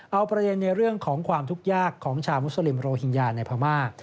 เอาประเด็นในเรื่องของความทุกข์ยากของชาวมุสลิมโรฮิงญาในพม่า